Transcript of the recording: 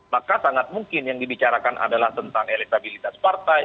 maka sangat mungkin yang dibicarakan adalah tentang elektabilitas partai